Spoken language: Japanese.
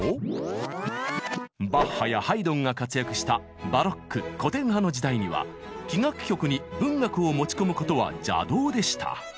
バッハやハイドンが活躍したバロック古典派の時代には器楽曲に文学を持ち込むことは邪道でした。